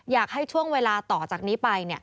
อยากให้ช่วงเวลาต่อจากนี้ไป